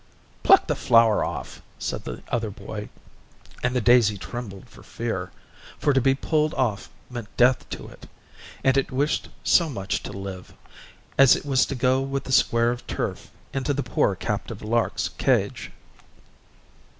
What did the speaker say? "Pluck the flower off," said the other boy, and the daisy trembled for fear, for to be pulled off meant death to it; and it wished so much to live, as it was to go with the square of turf into the poor captive lark's cage.